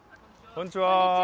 こんにちは。